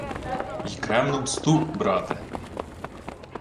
— Й кревну мсту, брате.